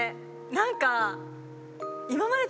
何か。